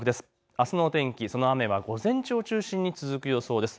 あすの天気、その雨は午前中に続く予想です。